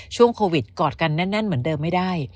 ช่วงโควิดกอดกันแน่นเหมือนเดิมไม่ได้